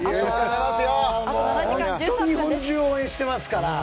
日本中応援してますから。